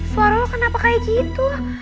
suara lo kenapa kayak gitu